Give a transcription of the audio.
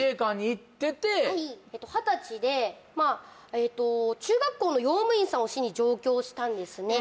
これ二十歳でまあえっと中学校の用務員さんをしに上京したんですね